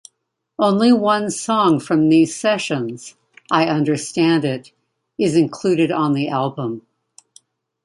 Only one song from these sessions, "I Understand It", is included on the album.